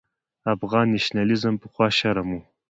افغان نېشنلېزم پخوا شرم و.